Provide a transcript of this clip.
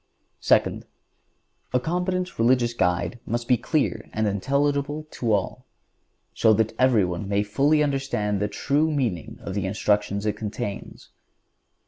Second—A competent religious guide must be clear and intelligible to all, so that everyone may fully understand the true meaning of the instructions it contains.